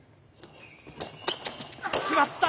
決まった！